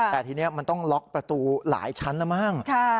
แต่ทีนี้มันต้องล็อกประตูหลายชั้นแล้วมั้ง